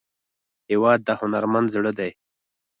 هېواد د هنرمند زړه دی.